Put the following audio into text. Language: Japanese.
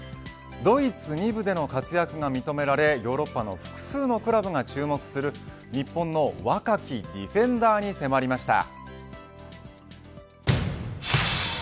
ドイツ２部での活躍が認められヨーロッパの複数のクラブが注目する日本の若きディフェンダーに迫りました。